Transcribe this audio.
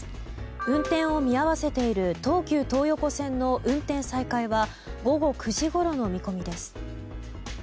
運転を見合わせている東急東横線の運転再開は午後９時ごろの見込みです。